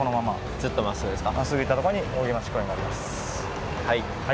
ずっとまっすぐですか？